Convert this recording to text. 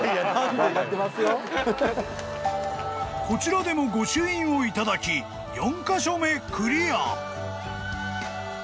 ［こちらでも御朱印を頂き４カ所目クリア］